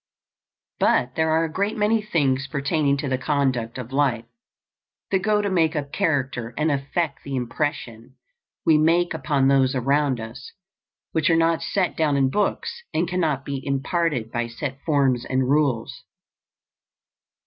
But there are a great many things pertaining to the conduct of life, that go to make up character and affect the impression we make upon those around us, which are not set down in books and cannot be imparted by set forms and rules.